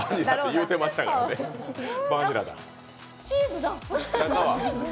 チーズだ！